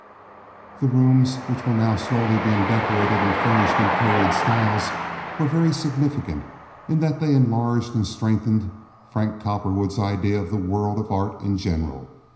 The rooms, which were now slowly being decorated and furnished in period styles were very significant in that they enlarged and strengthened Frank Cowperwood's idea of the world of art in general.